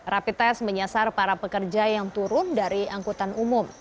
rapid test menyasar para pekerja yang turun dari angkutan umum